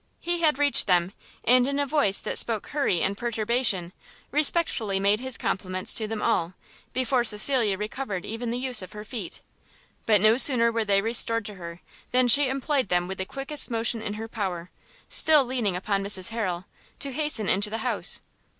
He had reached them, and in a voice that spoke hurry and perturbation, respectfully made his compliments to them all, before Cecilia recovered even the use of her feet: but no sooner were they restored to her, than she employed them with the quickest motion in her power, still leaning upon Mrs Harrel, to hasten into the house.